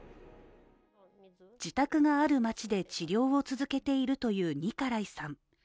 自宅がある町で治療を続けているというニカライさん。